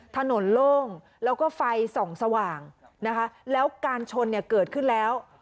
โล่งแล้วก็ไฟส่องสว่างนะคะแล้วการชนเนี่ยเกิดขึ้นแล้ว